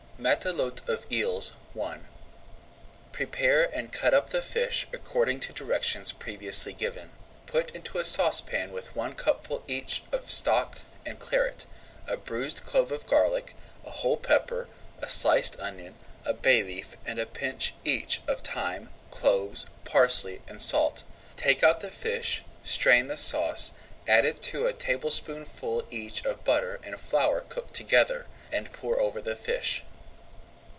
MATELOTE OF EELS I Prepare and cut up the fish according to directions previously given. Put into a saucepan with one cupful each of stock and Claret, a bruised clove of garlic, a whole pepper, a sliced onion, a bay leaf, and a pinch each of thyme, cloves, parsley, and salt. Take out the fish, strain the sauce, add to it a tablespoonful each of butter and flour cooked together, and pour over the fish.